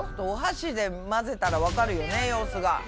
お箸で混ぜたらわかるよね様子が。